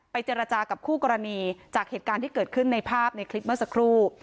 เจรจากับคู่กรณีจากเหตุการณ์ที่เกิดขึ้นในภาพในคลิปเมื่อสักครู่